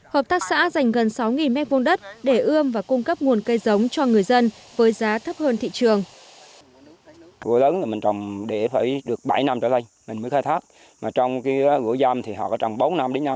hợp tác xã dành gần sáu m hai đất để ươm và cung cấp nguồn cây giống cho người dân với giá thấp hơn thị trường